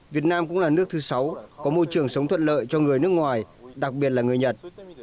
việt nam cũng là nước thứ sáu có môi trường sống thuận lợi cho người nước ngoài đặc biệt là người nhật